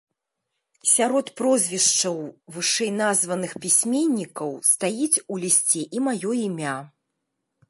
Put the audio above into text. Сярод прозвішчаў вышэйназваных пісьменнікаў стаіць у лісце і маё імя.